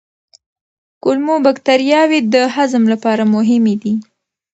کولمو بکتریاوې د هضم لپاره مهمې دي.